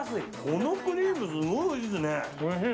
このクリームすごいおいしいですね。